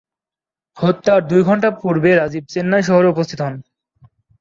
হত্যার দুই ঘণ্টা পূর্বে রাজীব চেন্নাই শহরে উপস্থিত হন।